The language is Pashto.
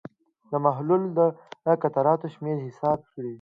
د محلول د قطراتو شمېر حساب کړئ.